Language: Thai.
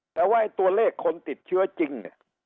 แต่ว่าตัวเลขคนติดเชื้อจริงเนี่ย